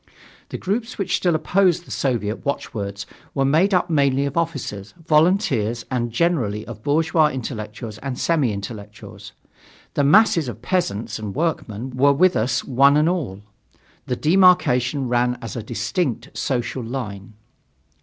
The groups which still opposed the Soviet watch words were made up mainly of officers, volunteers and generally of bourgeois intellectuals and semi intellectuals. The masses of peasants and workmen were with us one and all. The demarcation ran as a distinct social line.